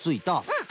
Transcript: うん。